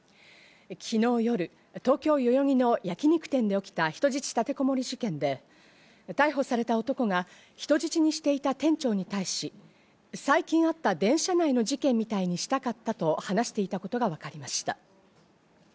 昨日夜、東京・代々木の焼肉店で起きた人質立てこもり事件で、逮捕された男が人質にしていた店長に対し、最近あった電車内の事件みたいにしたかったと話していたことが分かりました。